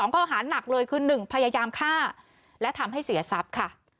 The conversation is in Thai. ข้อหาหนักเลยคือ๑พยายามฆ่าและทำให้เสียทรัพย์ค่ะ